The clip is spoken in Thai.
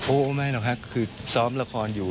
โอ้ไม่นะครับคือซ้อมละครอยู่